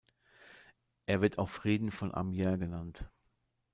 Er wird auch Frieden von Amiens genannt.